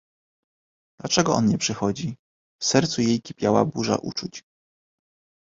"dlaczego on nie przychodzi...“ W sercu jej kipiała burza uczuć."